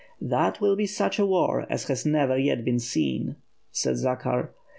"That will be such a war as has never yet been seen," said Zakhar.